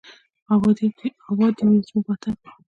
اباد دې وي زموږ وطن.